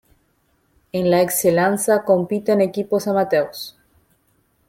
En la Eccellenza compiten equipos amateurs.